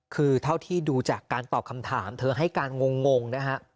คือเท่าที่ดูจากการตอบคำถามเธอให้การงงนะฮะ